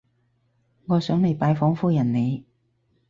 我想嚟拜訪夫人你